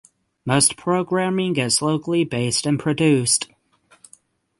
Most programming is locally based and produced.